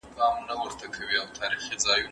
کوچني اسټروېډونه د څارنې وړ دي.